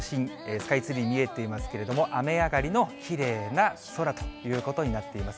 スカイツリー見えていますけれども、雨上がりのきれいな空ということになっています。